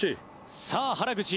さあ原口